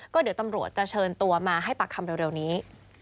ก็เดี๋ยวตำรวจจะเชิญตัวมาให้ปากคำเร็วนี้